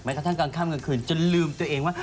กระทั่งกลางค่ำกลางคืนจนลืมตัวเองว่า